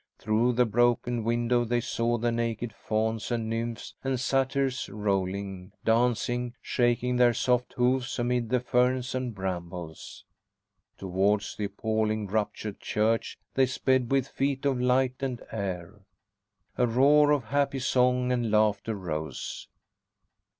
Through the broken window they saw the naked fauns and nymphs and satyrs rolling, dancing, shaking their soft hoofs amid the ferns and brambles. Towards the appalling, ruptured church they sped with feet of light and air. A roar of happy song and laughter rose.